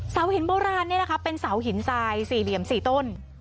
เสาหินโบราณเนี่ยนะคะเป็นเสาหินทราย๔เหลี่ยม๔ต้น